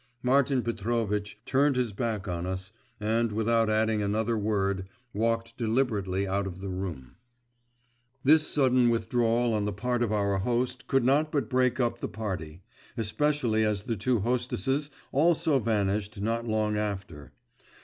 Martin Petrovitch turned his back on us, and, without adding another word, walked deliberately out of the room. This sudden withdrawal on the part of our host could not but break up the party, especially as the two hostesses also vanished not long after.